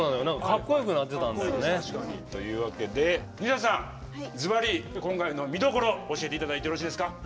何かかっこよくなってたんだよね。というわけで皆さんずばり今回の見どころ教えていただいてよろしいですか？